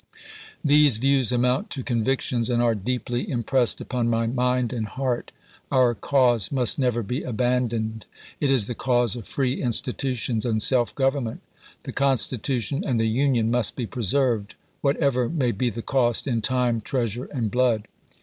These views amount to convictions, and are deeply im pressed upon my mind and heart. Our cause must never be abandoned ; it is the cause of free institutions and self government. The Constitution and the Union must be preserved, whatever may be the cost in time, treasure, and blood.